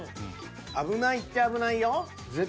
危ないっちゃ危ないよ。